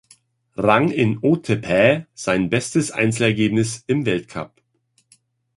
Rang in Otepää sein bestes Einzelergebnis im Weltcup.